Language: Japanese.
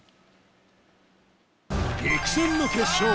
激戦の決勝